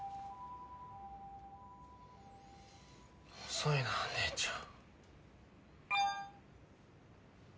遅いな姉ちゃん。